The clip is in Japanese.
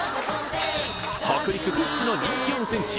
北陸屈指の人気温泉地